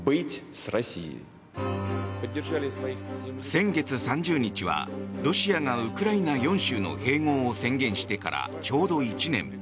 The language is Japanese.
先月３０日はロシアがウクライナ４州の併合を宣言してから、ちょうど１年。